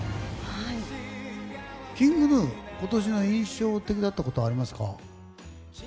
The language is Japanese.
ＫｉｎｇＧｎｕ、今年の印象的だったことありますか？